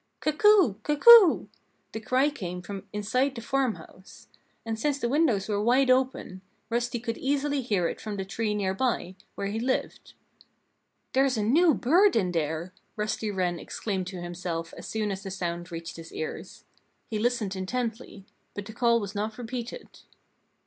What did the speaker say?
"Cuckoo! cuckoo!" The cry came from inside the farmhouse. And since the windows were wide open, Rusty could easily hear it from the tree near by, where he lived. "There's a new bird in there!" Rusty Wren exclaimed to himself as soon as the sound reached his ears. He listened intently. But the call was not repeated.